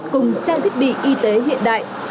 cùng trang thiết bị y tế hiện đại